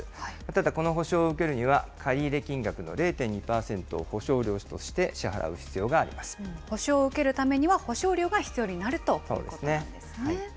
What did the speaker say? ただこの保証を受けるには借入金額の０．２％を保証料として支払保証を受けるためには、保証料が必要になるということなんですね。